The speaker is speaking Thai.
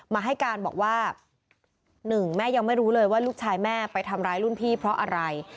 มาให้การบอกว่าหนึ่งแม่ยังไม่รู้เลยว่าลูกชายแม่ไปทำร้ายรุ่นพี่เพราะอะไร